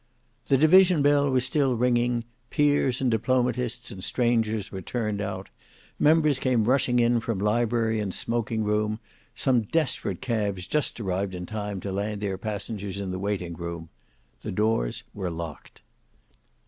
The division bell was still ringing; peers and diplomatists and strangers were turned out; members came rushing in from library and smoking room; some desperate cabs just arrived in time to land their passengers in the waiting room. The doors were locked.